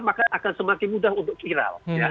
maka akan semakin mudah untuk viral